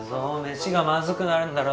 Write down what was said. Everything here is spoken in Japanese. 飯がまずくなるだろ。